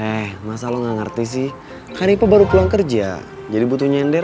eh masa lo gak ngerti sih karipa baru pulang kerja jadi butuh nyender